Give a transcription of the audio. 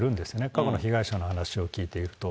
過去の被害者の話を聞いていくと。